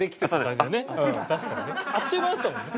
確かにね。あっという間だったもんね。